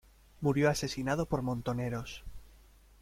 Murió asesinado por Montoneros.